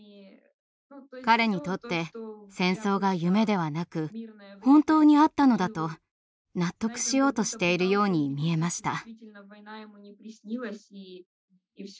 彼にとって戦争が夢ではなく本当にあったのだと納得しようとしているように見えました。